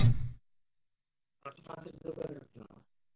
তার তো ফ্রান্সের জাদুঘরে থাকার কথা।